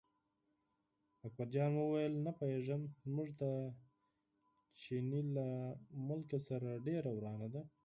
اکبرجان وویل نه پوهېږم، زموږ د چیني له ملک سره ډېره ورانه ده.